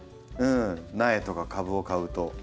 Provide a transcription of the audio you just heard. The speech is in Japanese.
苗とか株を買うと。